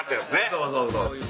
そうそうそう。